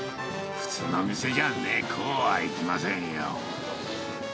普通の店じゃね、こうはいきませんよ。